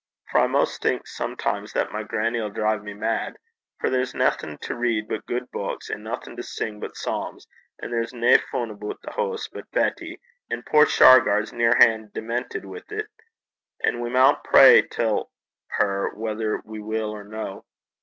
For I maist think sometimes that my grannie 'll drive me wud (mad); for there's naething to read but guid buiks, an' naething to sing but psalms; an' there's nae fun aboot the hoose but Betty; an' puir Shargar's nearhan' dementit wi' 't. An' we maun pray till her whether we will or no.